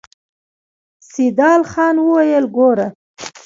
سيدال خان وويل: ګوره!